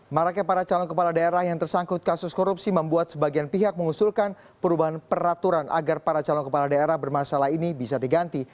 maraknya para calon kepala daerah yang tersangkut kasus korupsi membuat sebagian pihak mengusulkan perubahan peraturan agar para calon kepala daerah bermasalah ini bisa diganti